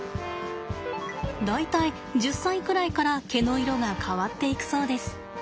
大体１０歳くらいから毛の色が変わっていくそうです。